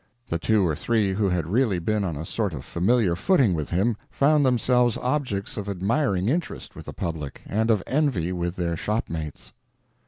The two or three who had really been on a sort of familiar footing with him found themselves objects of admiring interest with the public and of envy with their shopmates.